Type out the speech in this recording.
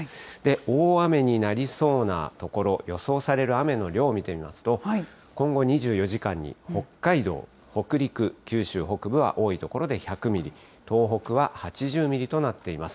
大雨になりそうな所、予想される雨の量、見てみますと、今後２４時間に北海道、北陸、九州北部は多い所で１００ミリ、東北は８０ミリとなっています。